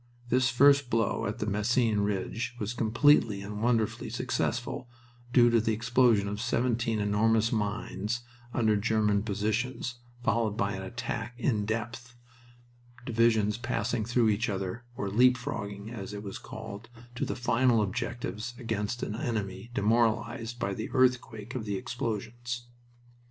This first blow at the Messines Ridge was completely and wonderfully successful, due to the explosion of seventeen enormous mines under the German positions, followed by an attack "in depth," divisions passing through each other, or "leap frogging," as it was called, to the final objectives against an enemy demoralized by the earthquake of the explosions.